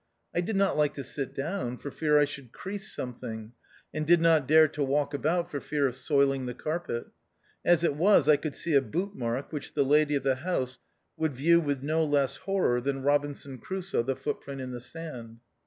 I did not like to sit down for fear I should crease something, and did not dare to walk about for fear of soiling the carpet ; as it was, I could see a bootmark which the lady of the house would view with no less horror than Robinson Crusoe the footprint in the sand.